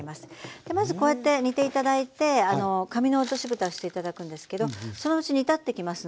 でまずこうやって煮て頂いて紙の落としぶたして頂くんですけどそのうち煮立ってきますので。